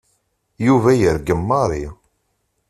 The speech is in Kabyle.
Yuba yergem Mary.